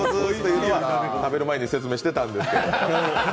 食べる前に説明してたんですけど。